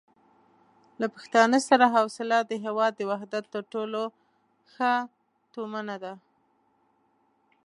له پښتانه سره حوصله د هېواد د وحدت تر ټولو ښه تومنه ده.